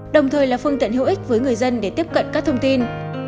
đồng thời là phương tiện hữu ích với người dân để tiếp cận các thông tin